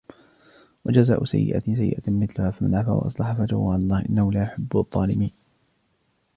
وجزاء سيئة سيئة مثلها فمن عفا وأصلح فأجره على الله إنه لا يحب الظالمين